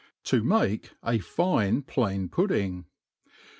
To make a fine Plain Pudding.